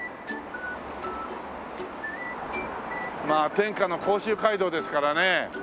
まあ天下の甲州街道ですからね。